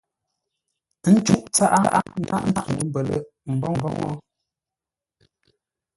Ə́ ncûʼ tsaʼá ńdaghʼ ńtsuŋu mbələ̂ghʼ mboŋə́.